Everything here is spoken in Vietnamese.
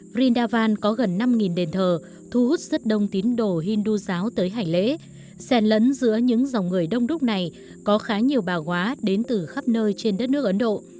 greendavan có gần năm đền thờ thu hút rất đông tín đồ hindu giáo tới hành lễ xen lẫn giữa những dòng người đông đúc này có khá nhiều bà quá đến từ khắp nơi trên đất nước ấn độ